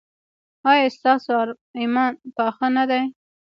ایا ستاسو ایمان پاخه نه دی؟